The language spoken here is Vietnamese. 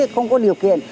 không có điều kiện